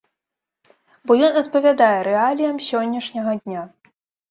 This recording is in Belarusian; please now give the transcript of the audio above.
Бо ён адпавядае рэаліям сённяшняга дня.